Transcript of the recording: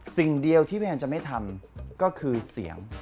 สิ่งเดียวที่พี่แอนจะไม่ทำก็คือเสียง